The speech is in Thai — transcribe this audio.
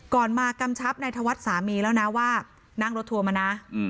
มากำชับนายธวัฒน์สามีแล้วนะว่านั่งรถทัวร์มานะ